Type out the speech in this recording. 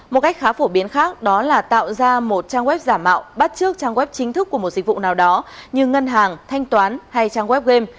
một cách khá phổ biến khác đó là tạo ra một trang web giả mạo bắt trước trang web chính thức của một dịch vụ nào đó như ngân hàng thanh toán hay trang web game